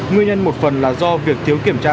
nguyên nhân một phần là do việc thiếu kiểm tra